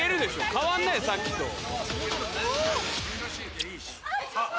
変わんないよさっきと。あっ。